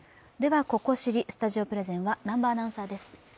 ここ知り、スタジオプレゼンは南波アナです。